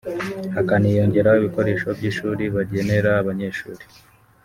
hakaniyongeraho ibikoresho by’ishuri bagenera abanyeshuri